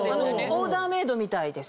オーダーメードみたいです。